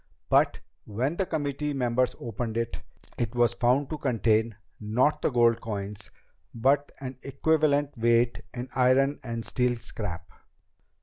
But when the committee members opened it, it was found to contain, not the gold coins, but an equivalent weight in iron and steel scrap."